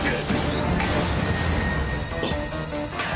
あっ！